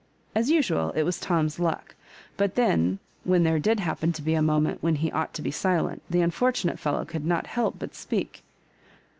As usual, it was Tom's luck ; but then, when there did happen to be a moment when he ought to be silent, the unfortunate fellow could not help but speak.